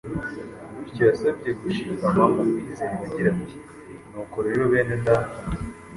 Bityo, yabasabye gushikama mu kwizera agira ati: “Nuko rero bene Data,